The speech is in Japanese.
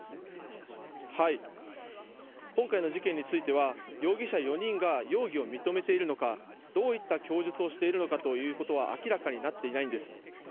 今回の事件については、容疑者４人が容疑を認めているのか、どういった供述をしているのかということは、明らかになっていないんです。